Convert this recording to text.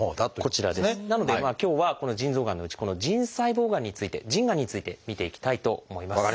なので今日はこの腎臓がんのうちこの腎細胞がんについて腎がんについて見ていきたいと思います。